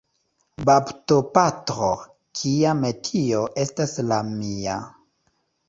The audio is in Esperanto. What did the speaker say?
Baptopatro, kia metio estas la mia!